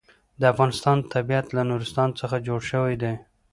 د افغانستان طبیعت له نورستان څخه جوړ شوی دی.